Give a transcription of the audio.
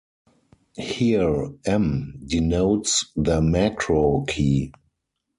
Here, "m" denotes the "Macro" key.